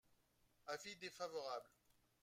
Avis défavorable.